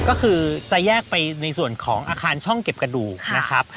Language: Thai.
ก็คือจะแยกไปในส่วนของอาคารช่องเก็บกระดูกนะครับ